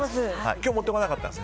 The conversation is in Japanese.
今日は持ってこなかったです。